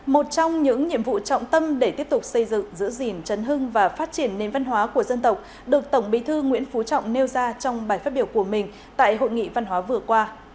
một trong những nhiệm vụ trọng tâm để tiếp tục xây dựng giữ gìn trấn hưng và phát triển nền văn hóa của dân tộc được tổng bí thư nguyễn phú trọng nêu ra trong bài phát biểu của mình tại hội nghị văn hóa vừa qua